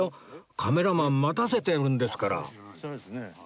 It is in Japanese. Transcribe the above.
カメラマン待たせてるんですから